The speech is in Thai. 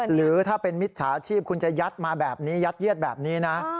หรือถ้าเป็นมิจฉาชีพคุณจะยัดมาแบบนี้ยัดเยียดแบบนี้นะ